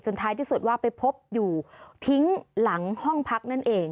ท้ายที่สุดว่าไปพบอยู่ทิ้งหลังห้องพักนั่นเอง